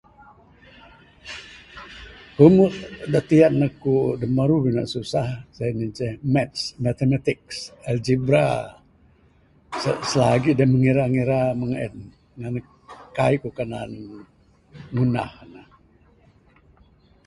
Puan mu de tiyan eku, de meru bina susah sien ce Maths, Matematiks, algebra, se-selagi edep ngira-ngira mung sien, ngan ne, kaik ku kanan, ngundah ne.